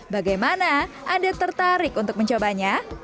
bagaimana anda tertarik untuk mencobanya